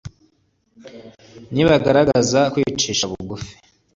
nibigaragaza kwicisha bugufi